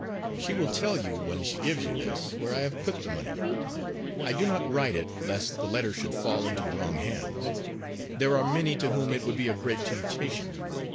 She will tell you, when she gives you this, where I have put the money I do not write it, lest the letter should fall into the wrong hands; there are many to whom it would be a great temptation.